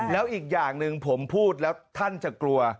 แล้วอีกอย่างหนึ่งผมพูดแล้วท่านจะกลัว